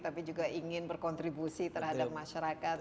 tapi juga ingin berkontribusi terhadap masyarakat